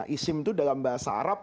isim itu dalam bahasa arab